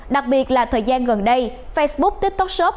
đặc biệt là thời gian gần đây facebook tiktok shop